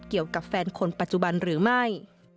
เกี่ยวกับแฟนคนปัจจุบันหรือไม่